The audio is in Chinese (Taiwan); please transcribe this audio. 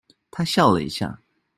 她笑了一下